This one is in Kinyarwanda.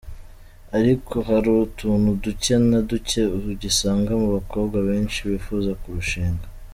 Ariko hari utuntu duke na duke ugisanga mu bakobwa benshi bifuza kurushinga.